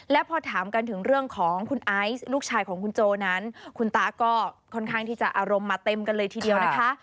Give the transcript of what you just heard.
และพอถามกันถึงเรื่องของคุณไอซ์ลูกชายของคุณโจนั้นคุณตาก็ค่อนข้างที่จะอารมณ์มาเต็มกันเลยทีเดียวนะคะ